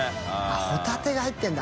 ホタテが入ってるんだ。